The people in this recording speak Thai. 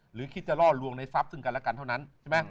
หรือคิดจะรอดรวงในทรัพย์ซึ่งกันและกันเท่านั้น